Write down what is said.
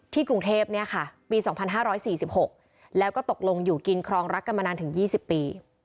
กรุงเทพปี๒๕๔๖แล้วก็ตกลงอยู่กินครองรักกันมานานถึง๒๐ปี